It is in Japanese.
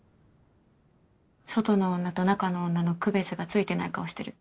外の女と中の女の区別がついてない顔してる。